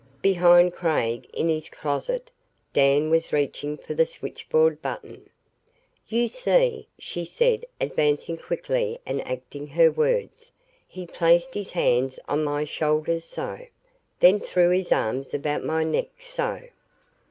Behind Craig, in his closet, Dan was reaching for the switchboard button. "You see," she said advancing quickly and acting her words, "he placed his hands on my shoulders so then threw his arms about my neck so."